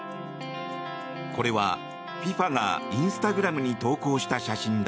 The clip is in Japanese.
これはＦＩＦＡがインスタグラムに投稿した写真だ。